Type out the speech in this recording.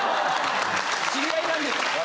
・知り合いなんですか？